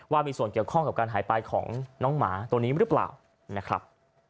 ว่ามีส่วนเกี่ยวข้องกับการหายไปของน้องหมาตัวนี้หรือเปล่านะครับ